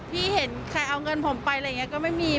เห็นใครเอาเงินผมไปอะไรอย่างนี้ก็ไม่มี